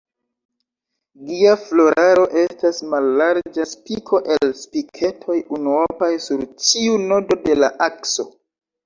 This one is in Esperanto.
Gia floraro estas mallarĝa spiko el spiketoj unuopaj sur ĉiu nodo de la akso.